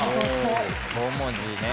５文字ね。